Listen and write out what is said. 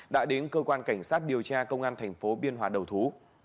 đã đến cơ quan cảnh sát điều tra công an thành phố biên hòa đầu thú